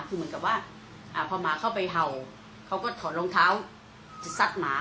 คือเหมือนกับว่าพอหมาเข้าไปเห่าเขาก็ถอดรองเท้าจะซัดหมา